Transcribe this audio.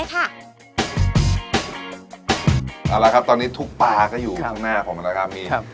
เอาละครับตอนนี้ทุกปลาก็อยู่ข้างหน้าผมแล้วครับพี่